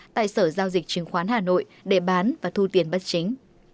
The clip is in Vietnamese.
tại sở giao dịch chứng khoán hà nội để bán và thu tiền bất chính